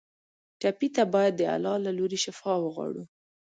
ټپي ته باید د الله له لورې شفا وغواړو.